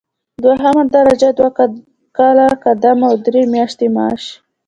دوهمه درجه دوه کاله قدم او درې میاشتې معاش.